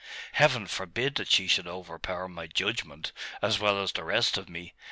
Heaven forbid that she should overpower my judgment, as well as the rest of me!